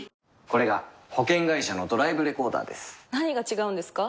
これが保険会社のドライブレコーダーです何が違うんですか？